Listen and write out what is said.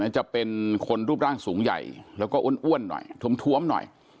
จะเป็นคนรูปร่างสูงใหญ่แล้วก็อ้วนหน่อยท้วมหน่อย